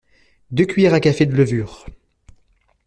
deux cuillères à café de levure